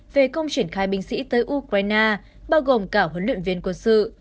về công triển khai binh sĩ tới ukraine bao gồm cả huấn luyện viên quân sự